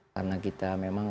karena kita memang